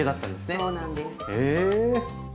そうなんです。